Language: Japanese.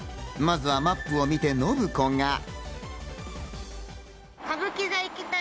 まずはマップを見て信子が。